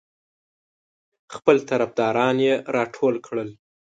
خپل طرفداران یې راټول کړل.